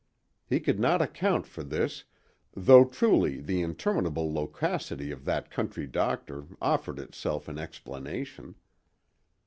He could not account for this, though truly the interminable loquacity of that country doctor offered itself in explanation.